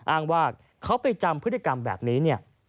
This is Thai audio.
อ้างว่าเขาไปจำพฤติกรรมแบบนี้เนี่ย